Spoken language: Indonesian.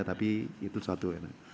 tapi itu satu